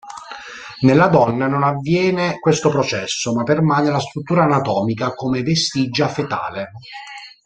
Nella donna non avviene questo processo, ma permane la struttura anatomica, come vestigia fetale.